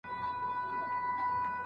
پايلې ټولنيزو کارکوونکو ته سپارل کيږي.